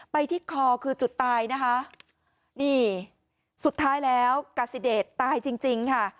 ไปที่คอคือจุดตายนะคะนี่สุดท้ายแล้วกาซิเดชตายจริงจริงค่ะ